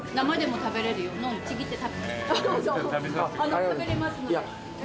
食べれますので。